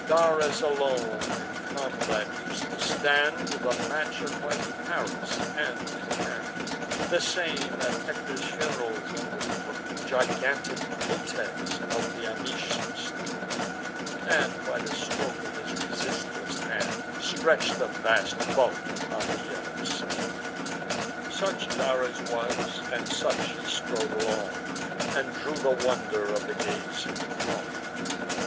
Dares alone in combat us'd to stand The match of mighty Paris, hand to hand; The same, at Hector's fun'rals, undertook Gigantic Butes, of th' Amycian stock, And, by the stroke of his resistless hand, Stretch'd the vast bulk upon the yellow sand. Such Dares was; and such he strode along, And drew the wonder of the gazing throng.